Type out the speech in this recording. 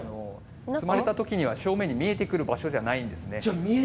積まれたときには正面に見えてくる場所じゃないんですね。